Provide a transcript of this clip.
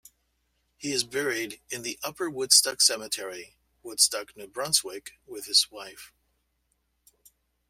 He is buried in the Upper Woodstock Cemetery, Woodstock, New Brunswick with his wife.